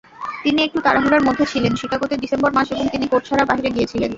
তিনি একটু তাড়াহুড়োর মধ্যে ছিলেন শিকাগোতে ডিসেম্বর মাস এবং তিনি কোট ছাড়া বাহিরে গিয়েছিলেন?